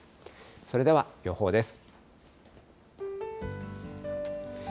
それでは予報です。